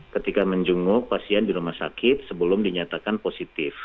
ketika menjenguk pasien di rumah sakit sebelum dinyatakan positif